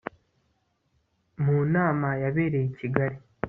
mu nama yabereye i kigali